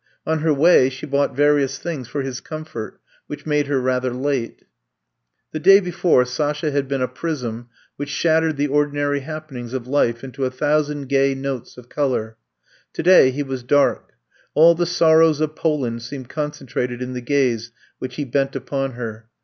On her way she bought various things for his comfort, which made her rather late. The day before, Sasha had been a prism which shattered the ordinary happenings of life into a thousand gay notes of color. Today he was dark; all the sorrows of Poland seemed concentrated in the gaze which he bent upon her.